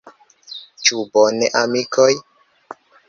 Ĉu bone, amikoj?